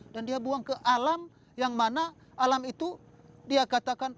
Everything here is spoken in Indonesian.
dan dia buang ke alam yang mana alam itu dia katakan